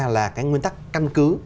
là cái nguyên tắc căn cứ